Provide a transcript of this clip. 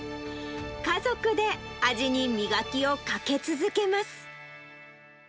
家族で味に磨きをかけ続けます。